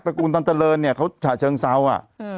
ตระกูลตาร์เตอรนนี่เขาสระเชิงเซาะ